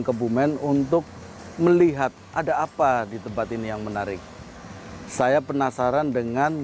kebumen untuk melihat ada apa di tempat ini yang menarik saya penasaran dengan